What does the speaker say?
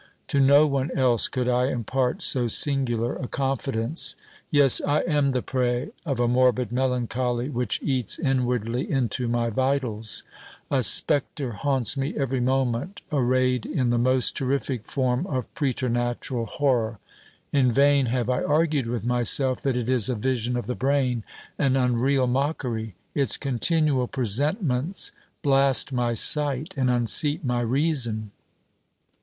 To no one else could I impart so singular a confidence. Yes, I am the prey of a morbid melancholy which eats inwardly into my vitals : a spectre haunts me every moment, arrayed in the most terrific form of preternatural hor ror. In vain have I argued with myself that it is a vision of the brain, an un real mockery : its continual presentments blast my sight, and unseat my reason.